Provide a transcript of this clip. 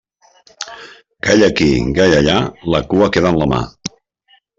Gall aquí, gall allà, la cua queda en la mà.